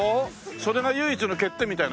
それが唯一の欠点みたいなもんなのよ。